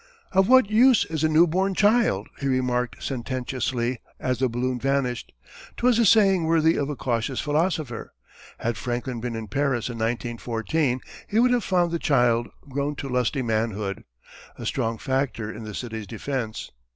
"Of what use is a new born child?" he remarked sententiously as the balloon vanished. 'Twas a saying worthy of a cautious philosopher. Had Franklin been in Paris in 1914 he would have found the child, grown to lusty manhood, a strong factor in the city's defence.